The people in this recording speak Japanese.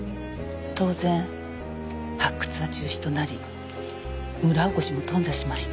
当然発掘は中止となり村おこしも頓挫しました。